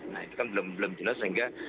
nah itu kan belum jelas sehingga